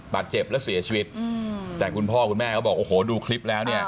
บาดเจ็บและเสียชีวิตอืมแต่คุณพ่อคุณแม่เขาบอกโอ้โหดูคลิปแล้วเนี่ย